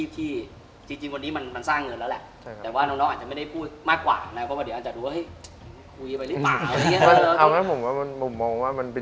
แต่ทำให้เห็นว่ามันก็นำลงชีวิตได้